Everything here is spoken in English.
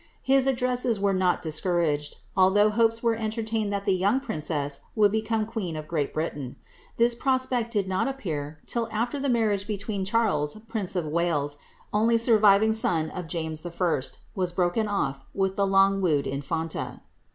His addresses were not discouraged, although hopes were entertained that the young princess would become queen of Great Britain. This prospect did not appear till after the mar riage between Charles, prince of Wales, only surviving son of James I., was broken off with the long wooed infanta.